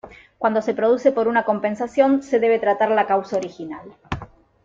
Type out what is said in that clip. Cuando se produce por una compensación, se debe tratar la causa original.